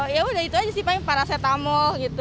ya udah gitu aja sih paling paracetamol gitu